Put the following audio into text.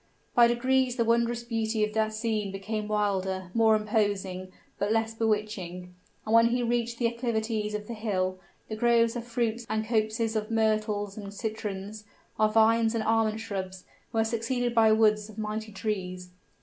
By degrees the wondrous beauty of the scene became wilder, more imposing, but less bewitching, and when he reached the acclivities of the hill, the groves of fruits and copses of myrtles and citrons, of vines and almond shrubs, were succeeded by woods of mighty trees.